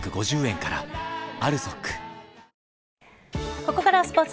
ここからはスポーツ。